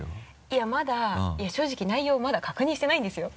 いやまだ正直内容をまだ確認してないんですよ。